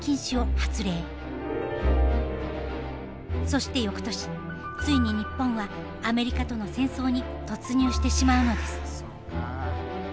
そしてよくとしついに日本はアメリカとの戦争に突入してしまうのです。